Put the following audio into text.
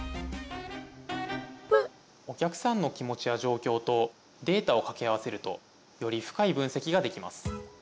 お客さんの気持ちや状況とデータをかけ合わせるとより深い分析ができます。